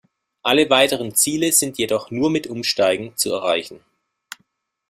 Alle weiteren Ziele sind jedoch nur mit Umsteigen zu erreichen.